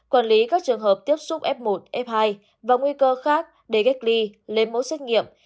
quản lý các trường hợp tiếp xúc f một f hai và nguy cơ khác để cách ly lấy mẫu xét nghiệm